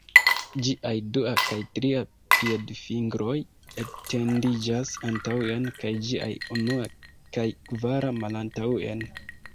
Ĝiaj dua kaj tria piedfingroj etendiĝas antaŭen kaj ĝiaj unua kaj kvara malantaŭen.